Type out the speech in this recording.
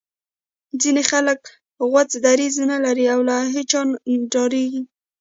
ځینې خلک غوڅ دریځ نه لري او له هر چا ډاریږي